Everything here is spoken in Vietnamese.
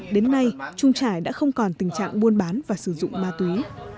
đến nay trung trải đã không còn tình trạng buôn bán và sử dụng ma túy